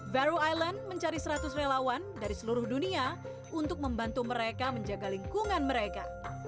vero island mencari seratus relawan dari seluruh dunia untuk membantu mereka menjaga lingkungan mereka